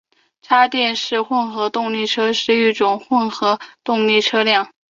插电式混合动力车是一种混合动力车辆。